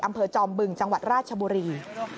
อำเภอจอมบึงจังหวัดราชบุรี